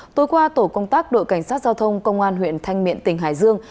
tối qua tổ công tác đội cảnh sát giao thông công an huyện thanh miện tỉnh hải dương